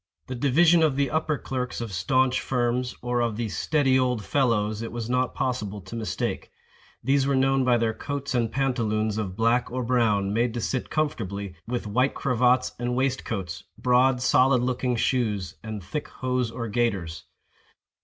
The division of the upper clerks of staunch firms, or of the "steady old fellows," it was not possible to mistake. These were known by their coats and pantaloons of black or brown, made to sit comfortably, with white cravats and waistcoats, broad solid looking shoes, and thick hose or gaiters.